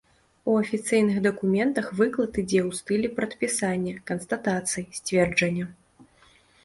У афіцыйных дакументах выклад ідзе ў стылі прадпісання, канстатацыі, сцверджання.